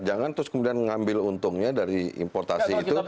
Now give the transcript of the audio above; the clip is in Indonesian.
jangan terus kemudian mengambil untungnya dari importasi itu